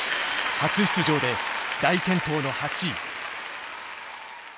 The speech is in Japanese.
初出場で大健闘の８位。